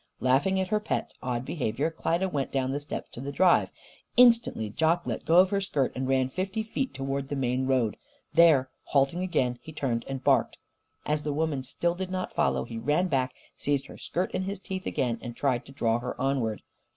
Laughing at her pet's odd behaviour, Klyda went down the steps to the drive. Instantly Jock let go of her skirt and ran fifty feet towards the main road. There, halting again, he turned and barked. As the woman still did not follow, he ran back, seized her skirt in his teeth again and tried to draw her onward.